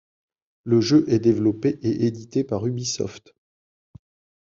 Le jeu est développé et édité par Ubisoft.